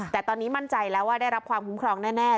แต่ตอนนี้มั่นใจแล้วว่าได้รับความคุ้มครองแน่